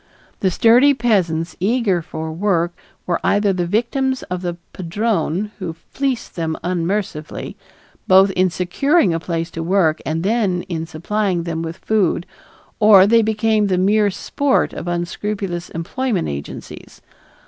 The sturdy peasants eager for work were either the victims of the padrone who fleeced them unmercifully, both in securing a place to work and then in supplying them with food, or they became the mere sport of unscrupulous employment agencies.